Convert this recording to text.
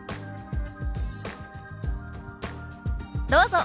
どうぞ。